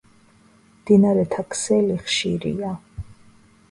მდინარეთა ქსელი ხშირია.